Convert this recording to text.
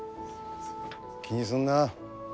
気にすんな。